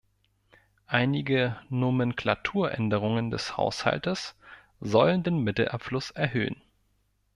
Einige Nomenklaturänderungen des Haushaltes sollen den Mittelabfluss erhöhen.